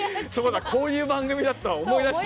こういう番組だったわ。